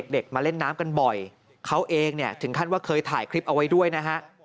เด็กมาเล่นน้ำกันบ่อยเขาเองเนี่ยถึงขั้นว่าเคยถ่ายคลิปเอาไว้ด้วยนะฮะ